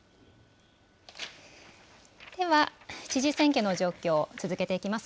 では、知事選挙の状況、続けていきます。